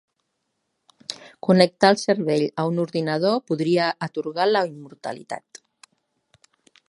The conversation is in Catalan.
Connectar el cervell a un ordinador podria atorgar la immortalitat